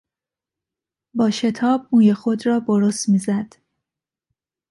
با شتاب موی خود را برس میزد.